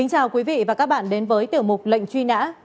chào quý vị và các bạn đến với tiểu mục lệnh truy nã